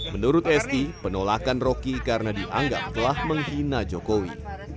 menurut esti penolakan rocky karena dianggap telah menghina jokowi